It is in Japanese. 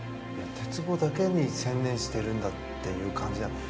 鉄棒だけに専念してるんだっていう感じじゃない。